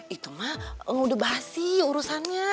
itu mah udah bahas sih urusannya